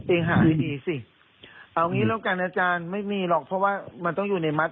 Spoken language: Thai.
จริงหายดีสิเอางี้แล้วกันอาจารย์ไม่มีหรอกเพราะว่ามันต้องอยู่ในมัด